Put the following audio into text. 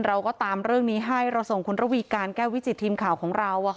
เราก็ตามเรื่องนี้ให้เราส่งคุณระวีการแก้ววิจิตทีมข่าวของเรา